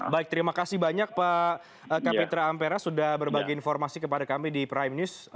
baik terima kasih banyak pak kapitra ampera sudah berbagi informasi kepada kami di prime news